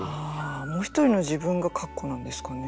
もう一人の自分が括弧なんですかね。